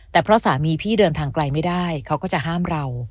แต่เพราะสามีพี่เดินทางไกลไม่ได้เขาก็จะห้ามเรา